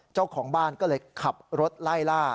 เจ้าของบ้านก็เลยขับรถไล่ล่า